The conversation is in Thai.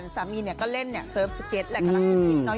สามีเนี่ยก็เล่นเนี่ยเซิร์ฟสเก็ตแล้วกำลังมิ้นมิ้นเนาะ